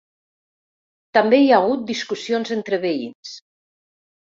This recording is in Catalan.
També hi ha hagut discussions entre veïns.